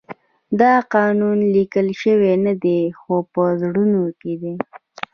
دا قانون لیکل شوی نه دی خو په زړونو کې دی.